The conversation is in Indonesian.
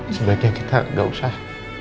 sebaiknya kita gak usah